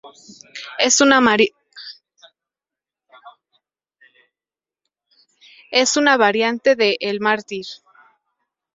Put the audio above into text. Es una variante de "El mártir".